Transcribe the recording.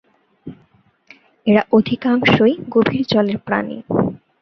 এরা অধিকাংশই গভীর জলের প্রাণী।